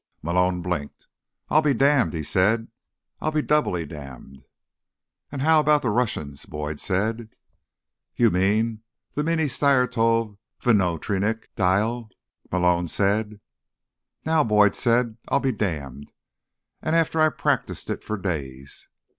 Malone blinked. "I'll be damned," he said. "I'll be doubly damned." "And how about the Russians?" Boyd said. "You mean the Meeneestyerstvoh Vnootrenikh Dyehl?" Malone said. "Now," Boyd said, "I'll be damned. And after I practiced for days."